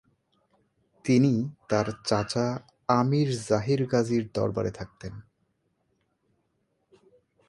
তিনি তার চাচা আমির যাহির গাজীর দরবারে থাকতেন।